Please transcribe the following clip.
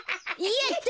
やった！